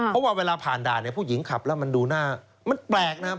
เพราะว่าเวลาผ่านด่านเนี่ยผู้หญิงขับแล้วมันดูหน้ามันแปลกนะครับ